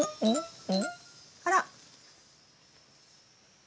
あら？